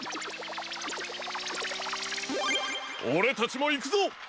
オレたちもいくぞ！